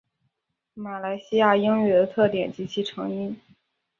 马来西亚英语的特点及其成因